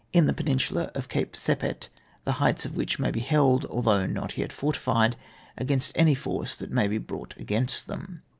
i>31 peninsula of Cape Cepet, the heights of which may be held, although not yet fortified, against any force that may be brought against them.